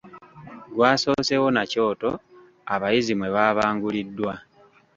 Gwasoosewo na kyoto abayizi mwe baabanguliddwa.